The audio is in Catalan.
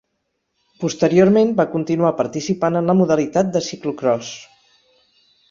Posteriorment va continuar participant en la modalitat de ciclocròs.